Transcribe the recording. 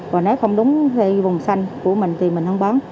và nếu không đúng thì vùng xanh của mình thì mình không bán